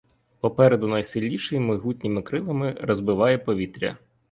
Попереду найсильніший могутніми крилами розбиває повітря.